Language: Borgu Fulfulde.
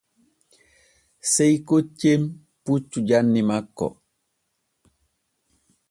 Sey koccen puccu janni makko.